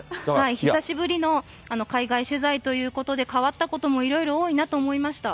久しぶりの海外取材ということで、変わったこともいろいろ多いなと思いました。